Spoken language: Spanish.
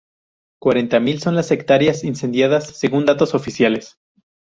Cuarenta mil son las hectáreas incendiadas, según datos oficiales.